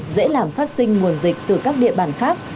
dễ làm phát sinh nguồn dịch từ các địa bàn khác